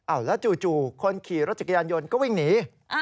แล้วจู่คนขี่รถจักรยานยนต์ก็วิ่งหนี